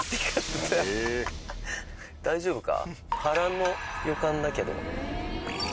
大丈夫か？